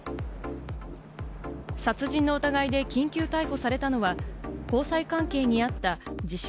殺人の疑いで緊急逮捕されたのは交際関係にあった、自称・